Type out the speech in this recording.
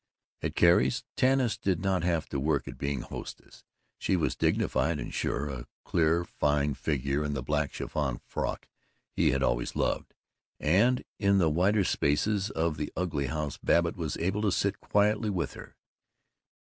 At Carrie's, Tanis did not have to work at being hostess. She was dignified and sure, a clear fine figure in the black chiffon frock he had always loved; and in the wider spaces of that ugly house Babbitt was able to sit quietly with her.